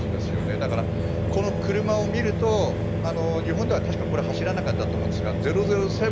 だから、この車を見ると日本では確か走らなかったと思うんですが「００７」